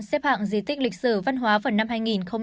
xếp hạng di tích lịch sử văn hóa vào năm hai nghìn hai